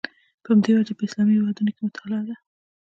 په همدې وجه په اسلامي هېوادونو کې مطالعه ده.